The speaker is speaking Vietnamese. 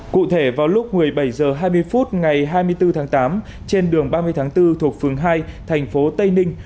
cụ thể vào lúc một mươi bảy h hai mươi phút ngày hai mươi bốn tháng tám trên đường ba mươi tháng bốn thuộc phường hai thành phố tây ninh